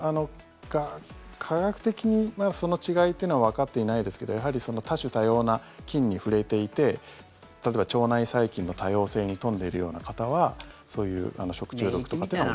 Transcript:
科学的な違いというのはわかっていないですけどやはり多種多様な菌に触れていて例えば腸内細菌の多様性に富んでいるような方はそういう食中毒とかというのは。